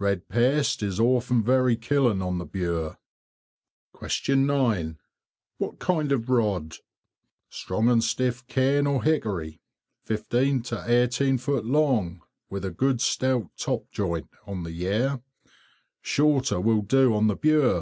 Red paste is often very killing on the Bure. 9. What kind of rod? Strong and stiff cane or hickory, 15 to 18 feet long, with a good stout top joint, on the Yare. Shorter will do on the Bure.